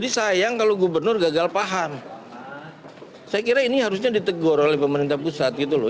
saya kira ini harusnya ditegur oleh pemerintah pusat gitu loh